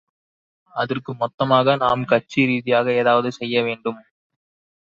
அதற்கு மொத்தமாக நாம் கட்சி ரீதியாக ஏதாவது செய்ய வேண்டும்.